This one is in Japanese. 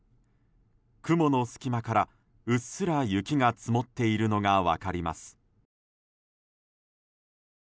雲の隙間から、うっすら雪が積もっているのが分かります。